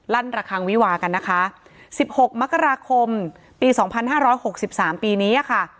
ลั่นระคางวิวากันนะคะสิบหกมกราคมปีสองพันห้าร้อยหกสิบสามปีนี้อ่ะค่ะ